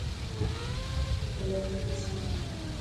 اي بلوچ ڏوسي هي.